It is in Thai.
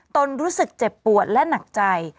นรู้สึกเจ็บปวดและหนักใจ